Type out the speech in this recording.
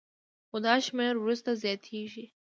خو دا شمېر وروسته زیاتېږي